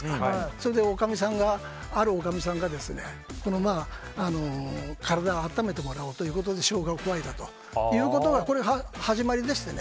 それで、あるおかみさんが体を温めてもらおうということでショウガを加えたということが始まりでして。